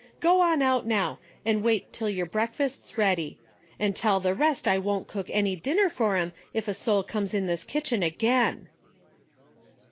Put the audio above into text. Go on out now, and wait till yer breakfast's ready. And tell the rest I won't cook any dinner fer 'em, if a soul comes in this kitchen again."